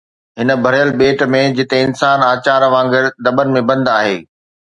هن ڀريل ٻيٽ ۾ جتي انسان اچار وانگر دٻن ۾ بند آهي